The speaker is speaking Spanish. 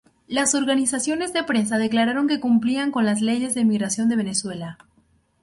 Las organizaciones de prensa declararon que cumplían con las leyes de migración de Venezuela.